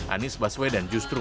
anies baswedan justru mencuri